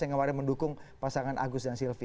yang kemarin mendukung pasangan agus dan silvi